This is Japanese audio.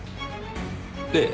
ええ。